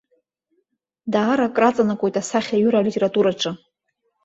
Даара краҵанакуеит асахьаҩыра алитератураҿы.